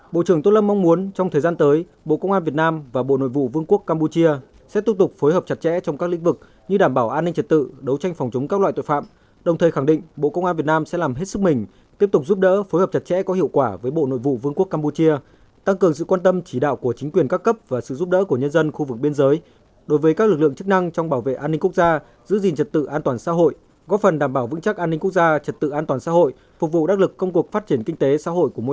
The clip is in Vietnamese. bộ trưởng tốt lâm mong muốn trong thời gian tới bộ công an việt nam và bộ nội vụ vương quốc campuchia sẽ tiếp tục phối hợp chặt chẽ trong các lĩnh vực như đảm bảo an ninh trật tự đấu tranh phòng chống các loại tội phạm đồng thời khẳng định bộ công an việt nam sẽ làm hết sức mình tiếp tục giúp đỡ phối hợp chặt chẽ có hiệu quả với bộ nội vụ vương quốc campuchia tăng cường sự quan tâm chỉ đạo của chính quyền các cấp và sự giúp đỡ của nhân dân khu vực biên giới đối với các lực lượng chức năng trong bảo vệ an ninh quốc gia giữ gìn trật tự an toàn x